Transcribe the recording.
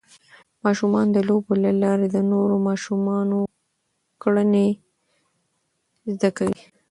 ماشومان د لوبو له لارې د نورو ماشومانو کړنې زده کوي.